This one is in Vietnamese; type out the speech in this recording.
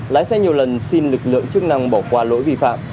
lái xe nhiều lần xin lực lượng chức năng bỏ qua lỗi vi phạm